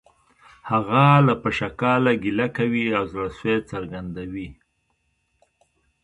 هغه له پشکاله ګیله کوي او زړه سوی څرګندوي